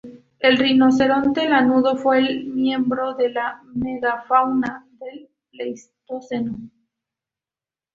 El rinoceronte lanudo fue un miembro de la megafauna del Pleistoceno.